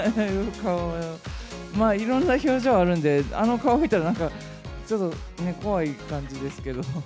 まあ、いろんな表情あるんで、あの顔見たら、なんかちょっとね、怖い感じですけども。